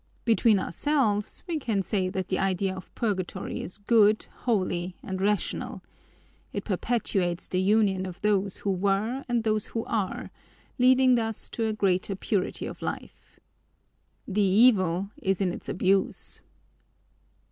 Between ourselves we can say that the idea of purgatory is good, holy, and rational. It perpetuates the union of those who were and those who are, leading thus to greater purity of life. The evil is in its abuse.